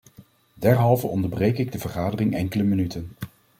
Derhalve onderbreek ik de vergadering enkele minuten.